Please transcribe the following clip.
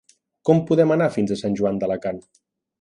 Com podem anar fins a Sant Joan d'Alacant?